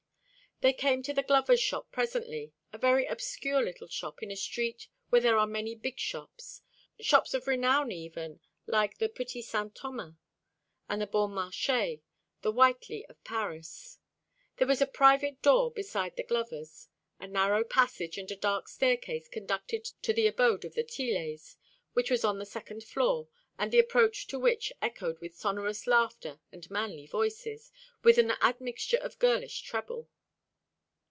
They came to the glover's shop presently, a very obscure little shop in a street where there are many big shops; shops of renown, even, like the Petit Saint Thomas, and the Bon Marché, the Whiteley of Paris. There was a private door beside the glover's. A narrow passage and a dark staircase conducted to the abode of the Tillets, which was on the second floor, and the approach to which echoed with sonorous laughter and manly voices, with an admixture of girlish treble.